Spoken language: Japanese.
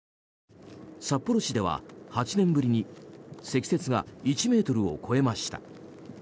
札幌市では８年ぶりに積雪が１ｍを超えました。